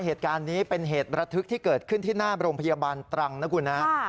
เหตุการณ์นี้เป็นเหตุระทึกที่เกิดขึ้นที่หน้าโรงพยาบาลตรังนะคุณนะ